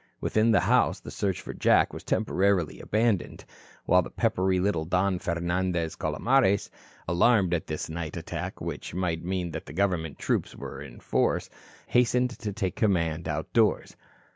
Within the house, the search for Jack was temporarily abandoned, while the peppery little Don Fernandez Calomares, alarmed at this night attack which might mean that the government troops were in force, hastened to take command outdoors.